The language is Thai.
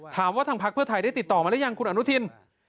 ทางพักเพื่อไทยได้ติดต่อมาหรือยังคุณอนุทิน